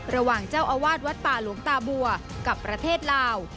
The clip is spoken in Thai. ระหว่างเจ้าอาวาสวัดป่าหลวงตาบัวกับประเทศลาว